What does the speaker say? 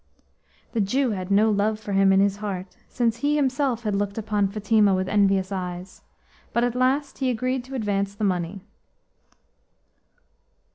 The Jew had no love for him in his heart, since he himself had looked upon Fatima with envious eyes, but at last he agreed to advance the money.